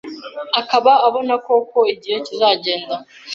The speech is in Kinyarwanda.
Akaba abona ko uko igihe kizagenda